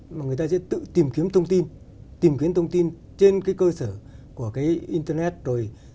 mà người ta sẽ tự tìm kiếm thông tin tìm kiếm thông tin trên cái cơ sở của cái internet rồi